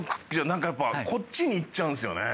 なんかやっぱこっちにいっちゃうんすよね。